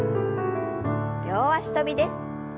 両脚跳びです。